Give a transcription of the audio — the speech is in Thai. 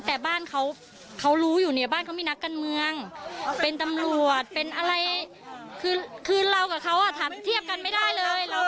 แต่บ้านเขารู้อยู่ในบ้านเขามีนักการเมืองเป็นตำรวจเป็นอะไรคือเรากับเขาเทียบกันไม่ได้เลย